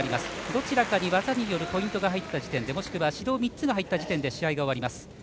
どちらかに技によるポイントが入った時点でもしくは指導３つが入った時点で試合が終わります。